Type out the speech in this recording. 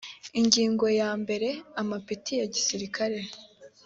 ingingo ya mbere amapeti ya gisirikare